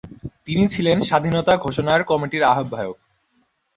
তিনি ছিলেন স্বাধীনতা ঘোষণা কমিটির আহবায়ক।